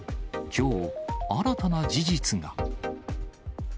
きょう、新たな事実が。